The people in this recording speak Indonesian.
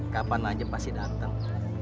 kapan aja pasti dateng